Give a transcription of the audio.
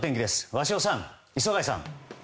鷲尾さん、磯貝さん。